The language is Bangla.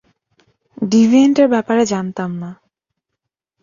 ডিভিয়েন্টের ব্যাপারে জানতাম না।